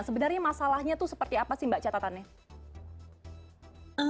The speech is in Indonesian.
sebenarnya masalahnya itu seperti apa sih mbak catatannya